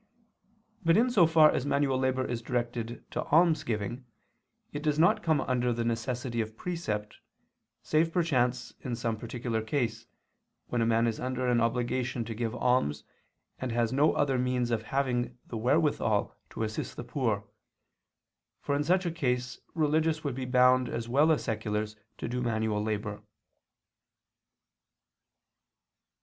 But in so far as manual labor is directed to almsgiving, it does not come under the necessity of precept, save perchance in some particular case, when a man is under an obligation to give alms, and has no other means of having the wherewithal to assist the poor: for in such a case religious would be bound as well as seculars to do manual labor.